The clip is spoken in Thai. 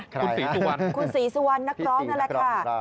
คุณศรีสุวรรณคุณศรีสุวรรณนักร้องนั่นแหละค่ะ